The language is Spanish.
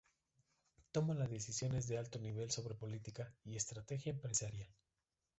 Toma las decisiones de alto nivel sobre política y estrategia empresarial.